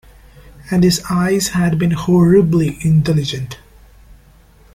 And his eyes had been horribly intelligent.